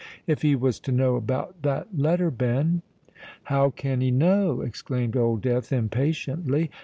If he was to know about that letter, Ben?" "How can he know?" exclaimed Old Death impatiently.